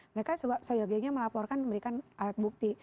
mereka seyoginya melaporkan memberikan alat bukti